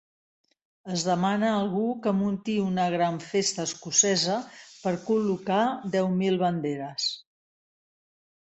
Es demana algú que munti una gran festa escocesa per col•locar deu mil banderes.